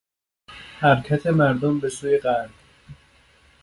حرکت مردم به سوی غرب